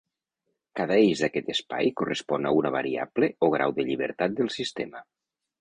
Cada eix d'aquest espai correspon a una variable o grau de llibertat del sistema.